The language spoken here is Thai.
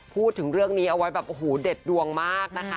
พูดถึงเรื่องนี้เอาไว้แบบโอ้โหเด็ดดวงมากนะคะ